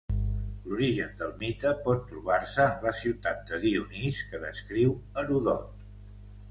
L'origen del mite pot trobar-se en la ciutat de Dionís que descriu Heròdot.